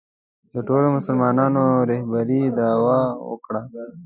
د ټولو مسلمانانو رهبرۍ دعوا وکړه